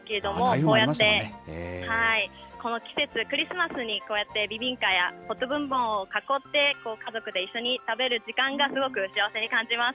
こうやって、この季節、クリスマスにこうやってビビンカやプト・ブンボンを囲って家族で一緒に食べる時間が、すごく幸せに感じます。